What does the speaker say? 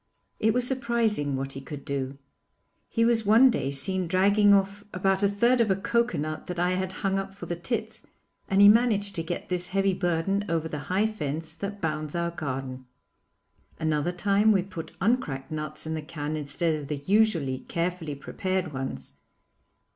It was surprising what he could do. He was one day seen dragging off about a third of a coconut that I had hung up for the tits, and he managed to get this heavy burden over the high fence that bounds our garden. Another time we put uncracked nuts in the can instead of the usually carefully prepared ones.